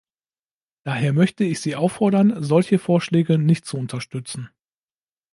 Daher möchte ich Sie auffordern, solche Vorschläge nicht zu unterstützen.